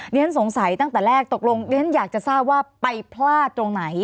ฉันสงสัยตั้งแต่แรกตกลงเรียนอยากจะทราบว่าไปพลาดตรงไหน